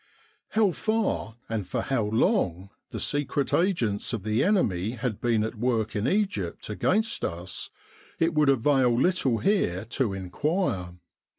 How far, and for how long, the secret agents of the enemy had been at work in Egypt against us, it would avail little here to inquire.